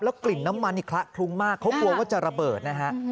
กลิ่นน้ำมันนี่คละคลุ้งมากเขากลัวว่าจะระเบิดนะฮะ